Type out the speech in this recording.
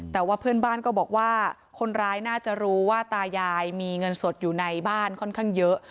แต่ว่าเพื่อนบ้านก็บอกว่าคนร้ายน่าจะรู้ว่าตายายมีเงินสดอยู่ในบ้านค่อนข้างเยอะ